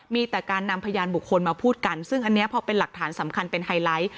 มีแต่การนำพยานบุคคลมาพูดกันซึ่งอันนี้พอเป็นหลักฐานสำคัญเป็นไฮไลท์